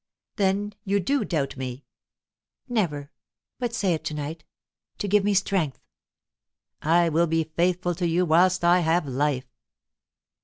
"Then, you do doubt me?" "Never! But say it to night, to give me strength." "I will be faithful to you whilst I have life."